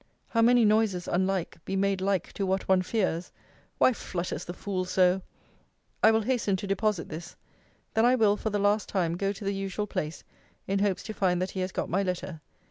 How many noises unlike, be made like to what one fears! Why flutters the fool so !I will hasten to deposit this. Then I will, for the last time, go to the usual place, in hopes to find that he has got my letter.